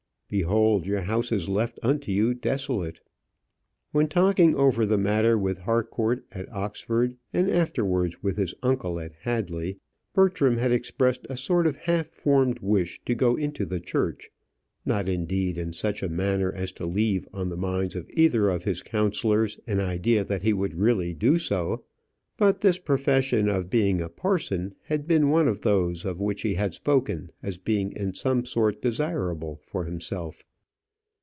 Behold, your house is left unto you desolate." When talking over the matter with Harcourt at Oxford, and afterwards with his uncle at Hadley, Bertram had expressed a sort of half formed wish to go into the church; not, indeed, in such a manner as to leave on the minds of either of his counsellors an idea that he would really do so; but this profession of being a parson had been one of those of which he had spoken as being in some sort desirable for himself.